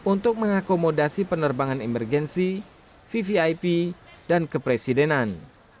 untuk mengakomodasi penerbangan emergensi vvip dan kepresidenan